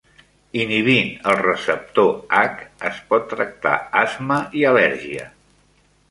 Inhibint el receptor H es pot tractar asma i al·lèrgia.